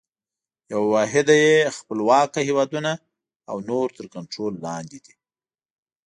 یوه واحده یې خپلواکه هیوادونه او نور تر کنټرول لاندي دي.